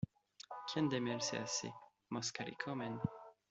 Quien de miel se hace, moscas le comen.